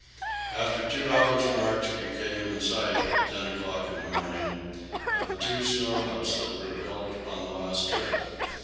After two hours' march we came in sight, at ten o'clock in the morning, of the two snow huts that were built on the last trip.